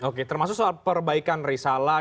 oke termasuk soal perbaikan risalah